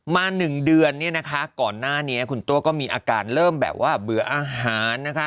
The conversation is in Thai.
หนึ่งเดือนเนี่ยนะคะก่อนหน้านี้คุณตัวก็มีอาการเริ่มแบบว่าเบื่ออาหารนะคะ